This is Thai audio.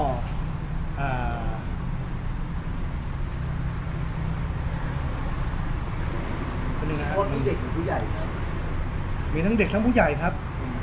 เป็นยังไงครับมีเด็กและผู้ใหญ่ครับมีทั้งเด็กและผู้ใหญ่ครับ